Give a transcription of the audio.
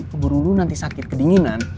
keburu lu nanti sakit kedinginan